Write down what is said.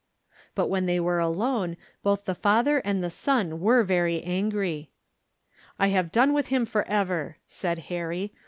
But, when they were alone, both the father and his son were very angry. "I have done with him forever," said Harry.